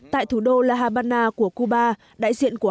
tại thủ đô la habana của cuba